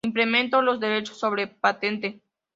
Implemento los derechos sobre patente.